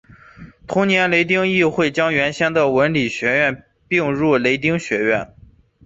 同年雷丁议会将原先的文理学院并入雷丁学院。